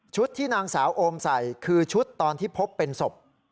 ที่นางสาวโอมใส่คือชุดตอนที่พบเป็นศพ